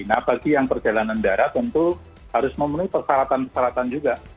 nah bagi yang perjalanan darat tentu harus memenuhi persyaratan persyaratan juga